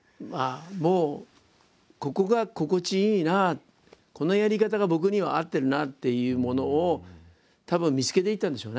ここが心地いいなこのやり方が僕には合ってるなっていうものをたぶん見つけていったんでしょうね。